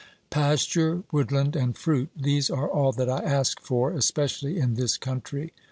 Pasture, woodland and fruit — these are all that I ask for, especially in this country.